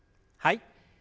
はい。